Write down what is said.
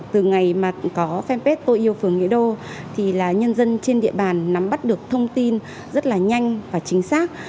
từ ngày mà có fanpage tôi yêu phường nghĩa đô thì là nhân dân trên địa bàn nắm bắt được thông tin rất là nhanh và chính xác